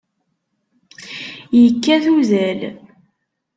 Yekkat uzal.